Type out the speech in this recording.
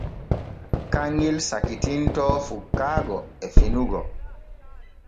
Kanŋel sakitintoo fukkaago e finugo.